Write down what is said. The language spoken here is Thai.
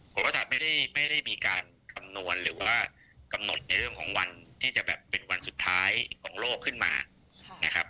ผมก็จะไม่ได้มีการคำนวณหรือว่ากำหนดในเรื่องของวันที่จะแบบเป็นวันสุดท้ายของโลกขึ้นมานะครับ